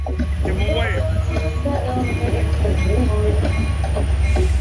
akili yako yote na kwa nguvu zako zote na jirani yako kama unavyojipenda